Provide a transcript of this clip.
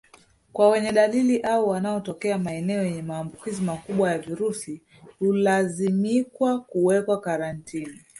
Kwa wenye dalili au wanaotokea maeneo yenye maambukizi makubwa ya virusi hulazimikwa kuwekwa karantini